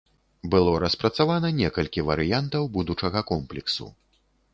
Было распрацавана некалькі варыянтаў будучага комплексу.